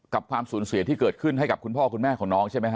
ความสูญเสียที่เกิดขึ้นให้กับคุณพ่อคุณแม่ของน้องใช่ไหมฮ